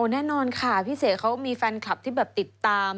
แน่นอนค่ะพี่เสกเขามีแฟนคลับที่แบบติดตาม